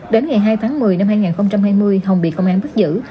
đến ngày hai tháng một mươi năm hai nghìn hai mươi hồng bị công an bắt giữ